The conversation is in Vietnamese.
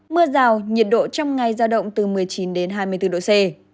mưa rào nhiệt độ trong ngày giao động từ một mươi chín đến hai mươi bốn độ c